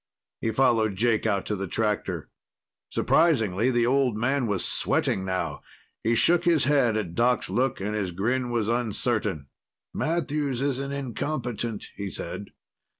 He followed Jake out to the tractor. Surprisingly, the old man was sweating now. He shook his head at Doc's look, and his grin was uncertain. "Matthews is an incompetent," he said.